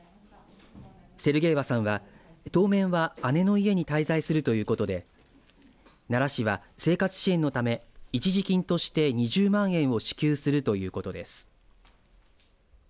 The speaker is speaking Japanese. セルゲエワさんは当面は姉の家に滞在するということで奈良市は、生活支援のため一時金として２０万円を支給するということです。